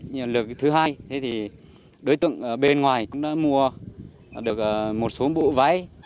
nhưng lực thứ hai thế thì đối tượng ở bên ngoài cũng đã mua được một số bộ váy